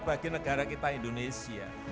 bagi negara kita indonesia